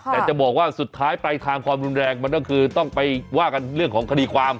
แต่จะบอกว่าสุดท้ายปลายทางความรุนแรงมันก็คือต้องไปว่ากันเรื่องของคดีความ